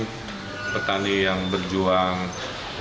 jadi petani yang berjuang untuk